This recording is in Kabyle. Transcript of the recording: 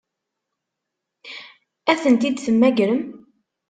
Ad tent-id-temmagrem?